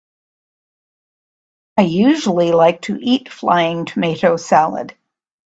I usually like to eat flying tomato salad.